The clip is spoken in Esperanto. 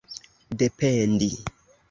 dependi